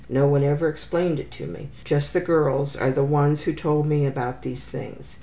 No one ever explained it to me. Just the girls are the ones who told me about these things.